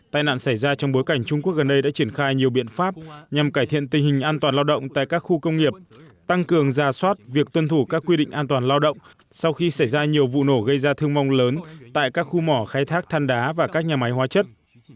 tai nạn xảy ra trong bối cảnh trung quốc gần đây đã triển khai nhiều biện pháp nhằm cải thiện tình hình an toàn lao động tại các khu công nghiệp tăng cường ra soát việc tuân thủ các quy định an toàn lao động sau khi xảy ra nhiều vụ nổ gây ra thương vong lớn tại các khu mỏ khai thác than đá và các nhà máy hóa chất